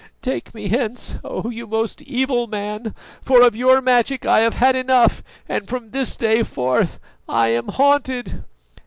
Take me hence, O you most evil man, for of your magic I have had enough, and from this day forth I am haunted!"